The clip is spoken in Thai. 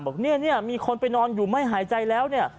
บอกว่ามีคนไปนอนอยู่ไม่หายใจแล้ว